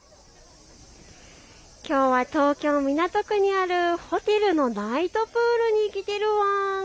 きょうは東京港区にあるホテルのナイトプールに来ているワン。